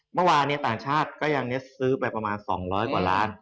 เมื่อวานต่างชาติก็ยังซื้อไปประมาณ๒๐๐กว่าล้าน